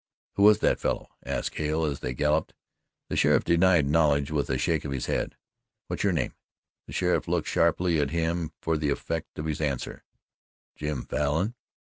"Who was that fellow?" asked Hale as they galloped. The sheriff denied knowledge with a shake of his head. "What's your name?" The sheriff looked sharply at him for the effect of his answer. "Jim Falin."